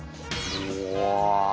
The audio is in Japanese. うわ。